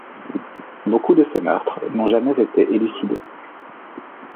Beaucoup de ces meurtres n'ont jamais été élucidés.